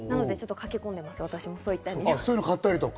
なので駆け込んでいます、そういった意味では。